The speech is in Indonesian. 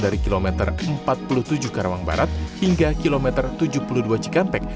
dari kilometer empat puluh tujuh karawang barat hingga kilometer tujuh puluh dua cikampek